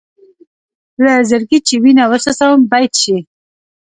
له زړګي چې وينه وڅڅوم بېت شي.